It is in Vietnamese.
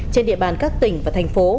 trên địa bàn các tỉnh và thành phố